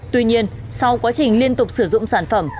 tuy nhiên sau quá trình liên tục sử dụng sản phẩm